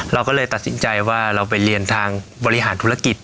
เราก็เลยตัดสินใจว่าเราไปเรียนทางบริหารธุรกิจ